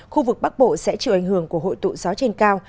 khu vực bắc bộ sẽ chịu ảnh hưởng của hội tụ gió trên cao